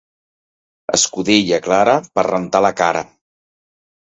Escudella clara, per rentar la cara.